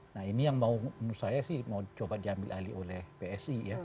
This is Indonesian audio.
nah ini yang menurut saya sih mau coba diambil alih oleh psi ya